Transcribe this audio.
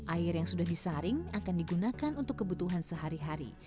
air yang sudah disaring akan digunakan untuk kebutuhan sehari hari